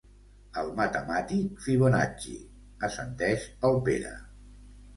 El matemàtic Fibonacci —assenteix el Pere.